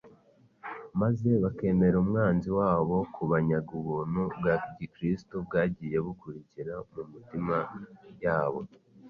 maze bakemerera umwanzi wabo kubanyaga ubuntu bwa Gikristo bwagiye bukurira mu mutima yabo